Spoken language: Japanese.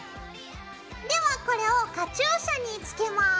ではこれをカチューシャにつけます。